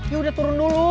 ya udah turun dulu